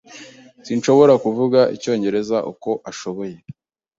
Sinshobora kuvuga icyongereza uko ashoboye.